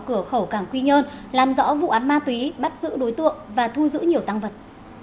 cửa khẩu cảng quy nhơn làm rõ vụ án ma túy bắt giữ đối tượng và thu giữ nhiều tăng vật